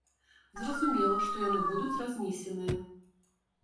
Зразумела, што яны будуць разнесеныя.